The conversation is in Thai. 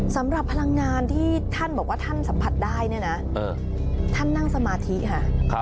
สำหรับพลังงานที่ท่านบอกว่าท่านสัมผัสได้เนี่ยนะท่านนั่งสมาธิค่ะ